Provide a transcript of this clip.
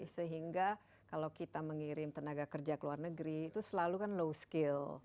sehingga kalau kita mengirim tenaga kerja ke luar negeri itu selalu kan low skill